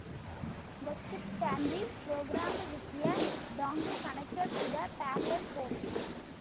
The chip can be programmed with a dongle connected to the parallel port.